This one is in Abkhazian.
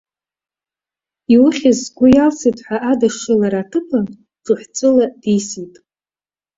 Иухьыз сгәы иалсит ҳәа адашшылара аҭыԥан, ҽыҳәҵәыла дисит!